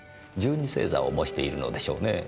星座を模しているのでしょうねぇ。